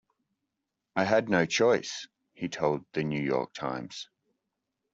"I had no choice", he told the "New York Times".